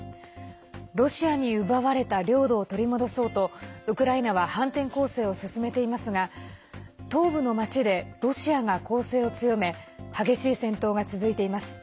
ロシアに奪われた領土を取り戻そうとウクライナは反転攻勢を進めていますが東部の町でロシアが攻勢を強め激しい戦闘が続いています。